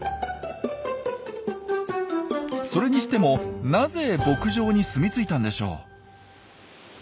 それにしてもなぜ牧場に住み着いたんでしょう？